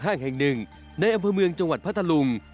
แห่งหนึ่งในอำเภอเมืองจังหวัดพัทธลุง